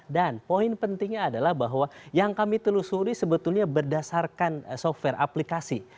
dan poin pentingnya adalah bahwa yang kami telusuri sebetulnya berdasarkan software aplikasi